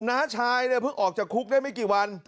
น้าชายเนี่ยเพิ่งออกจากคุกได้ไม่กี่วัน